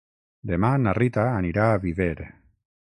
Demà na Rita anirà a Viver.